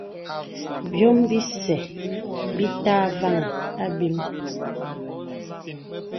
Bīòm bìsə bítà àvāŋhī àbīm.